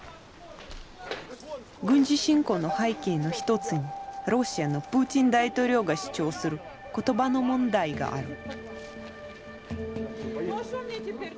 軍事侵攻の背景の一つにロシアのプーチン大統領が主張する「言葉の問題」がある。